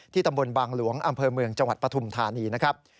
ตำบลบางหลวงอำเภอเมืองจังหวัดปฐุมธานีนะครับ